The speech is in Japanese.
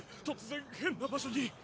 突然変な場所に。